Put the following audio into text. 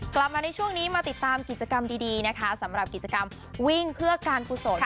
กลับมาในช่วงนี้มาติดตามกิจกรรมดีนะคะสำหรับกิจกรรมวิ่งเพื่อการกุศล